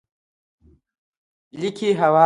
ليکي هوار و.